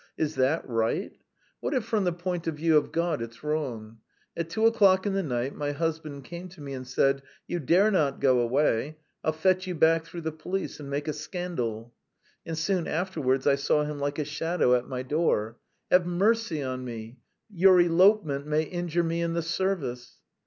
Is that right? What if from the point of view of God it's wrong? At two o'clock in the night my husband came to me and said: 'You dare not go away. I'll fetch you back through the police and make a scandal.' And soon afterwards I saw him like a shadow at my door. 'Have mercy on me! Your elopement may injure me in the service.'